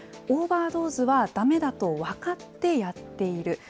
オーバードーズはだめだと分かってやっている。